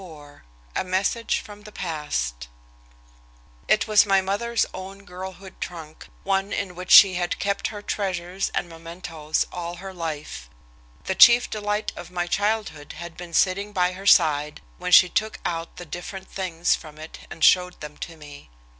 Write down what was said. XXXIV A MESSAGE FROM THE PAST It was my mother's own girlhood trunk, one in which she had kept her treasures and mementoes all her life. The chief delight of my childhood had been sitting by her side when she took out the different things from it and showed them to me.